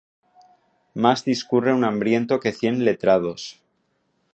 Mas discurre un hambriento que cien letrados.